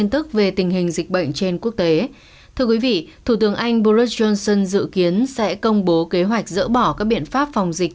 thưa quý vị thủ tướng anh boris johnson dự kiến sẽ công bố kế hoạch dỡ bỏ các biện pháp phòng dịch